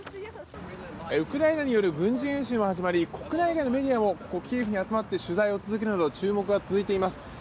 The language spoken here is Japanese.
ウクライナによる軍事演習も始まり国内外のメディアもここ、キエフに集まって取材を続けるなど注目が続いています。